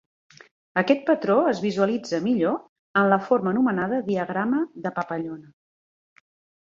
Aquest patró es visualitza millor en la forma anomenada diagrama de papallona.